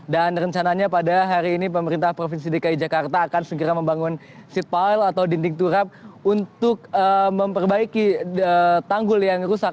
dan rencananya pada hari ini pemerintah provinsi dki jakarta akan segera membangun seat pile atau dinding turap untuk memperbaiki tanggul yang rusak